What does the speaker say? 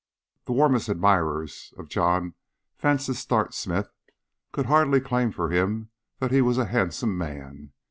The warmest admirers of John Vansittart Smith could hardly claim for him that he was a handsome man.